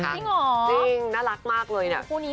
จริงน่ารักมากเลย